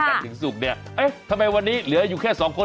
ันถึงศุกร์เนี่ยเอ๊ะทำไมวันนี้เหลืออยู่แค่สองคน